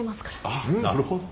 ああなるほど。